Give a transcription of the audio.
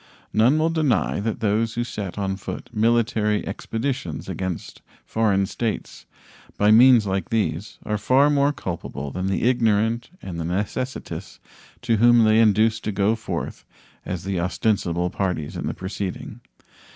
None will deny that those who set on foot military expeditions against foreign states by means like these are far more culpable than the ignorant and the necessitous whom they induce to go forth as the ostensible parties in the proceeding.